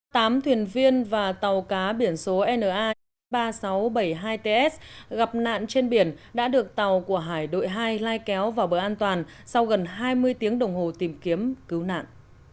tám thuyền viên và tàu cá biển số na chín mươi ba nghìn sáu trăm bảy mươi hai ts gặp nạn trên biển đã được tàu của hải đội hai lai kéo vào bờ an toàn sau gần hai mươi tiếng đồng hồ tìm kiếm cứu nạn